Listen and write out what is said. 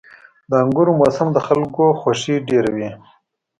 • د انګورو موسم د خلکو خوښي ډېروي.